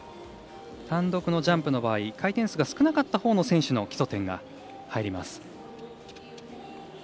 単独のジャンプの場合回転数が少なかったほうの選手の基礎点が入ります。